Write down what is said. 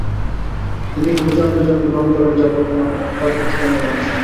তিনি খুজান্দে জন্মগ্রহণ করেন, যা বর্তমানে তাজিকিস্তানের অংশ।